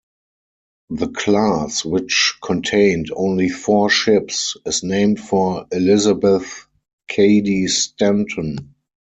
The class, which contained only four ships, is named for Elizabeth Cady Stanton.